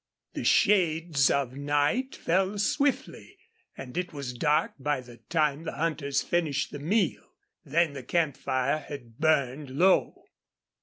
The shades of night fell swiftly, and it was dark by the time the hunters finished the meal. Then the campfire had burned low.